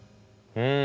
うん。